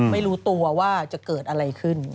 ไม่รู้ตัวว่าจะเกิดอะไรขึ้น